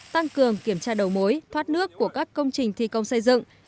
tăng cường kiểm tra đầu mối thoát nước của các công trình thi công xây dựng